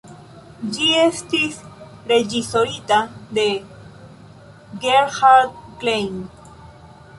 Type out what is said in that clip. Ĝi estis reĝisorita de Gerhard Klein.